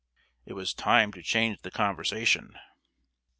It was time to change the conversation.